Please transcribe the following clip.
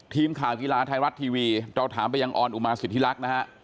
ทีมข่าวกีฬาไทยรัฐทีวีเราถามไปยังออนอุมาสิทธิลักษณ์นะฮะ